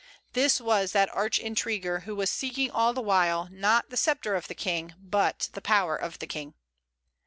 This was that arch intriguer who was seeking all the while, not the sceptre of the King, but the power of the King.